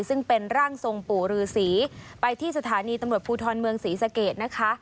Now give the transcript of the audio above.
ซึ่งเป็นร่างทรงปู่ฤษีไปที่สถานีตำรวจภูทรเมืองศรีสะเกดนะคะ